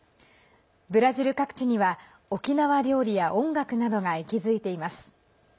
ブラジル各地には沖縄料理や音楽などが息づいています。